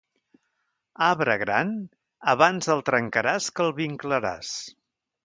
Arbre gran, abans el trencaràs que el vinclaràs.